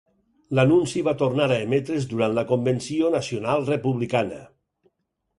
L'anunci va tornar a emetre's durant la Convenció Nacional Republicana.